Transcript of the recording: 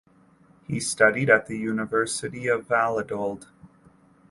He studied at the University of Valladolid.